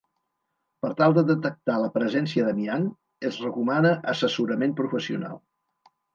Per tal de detectar la presència d'amiant, es recomana assessorament professional.